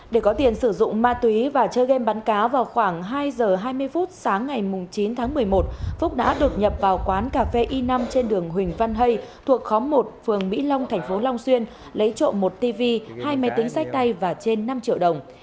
để có tiền sử dụng ma túy và chơi game bắn cá vào khoảng hai h hai mươi phút sáng ngày chín tháng một mươi một phúc đã đột nhập vào quán cà phê i năm trên đường huỳnh văn hay thuộc khóm một phường mỹ long thành phố long xuyên lấy trộm một tv hai máy tính sách tay và trên năm triệu đồng